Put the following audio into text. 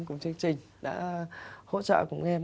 cảm ơn em đã hỗ trợ cùng em